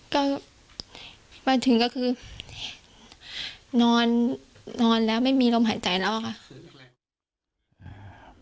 ก็มาถึงก็คือนอนแล้วไม่มีลมหายใจแล้วค่ะ